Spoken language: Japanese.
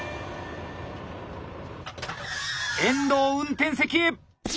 遠藤運転席へ。